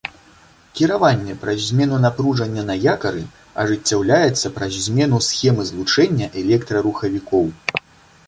Кіраванне праз змену напружання на якары ажыццяўляецца праз змену схемы злучэння электрарухавікоў.